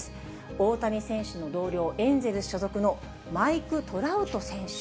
大谷選手の同僚、エンゼルス所属のマイク・トラウト選手。